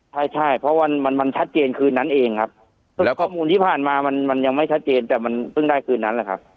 ใช่ใช่เพราะมันมันชัดเจนคืนนั้นเองครับแล้วข้อมูลที่ผ่านมามันมันยังไม่ชัดเจนแต่มันเพิ่งได้คืนนั้นแหละครับ